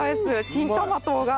「新玉党が」。